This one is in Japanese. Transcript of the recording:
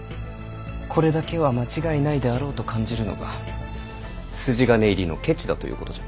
コレだけは間違いないであろうと感じるのは筋金入りの「ケチ」だということじゃ。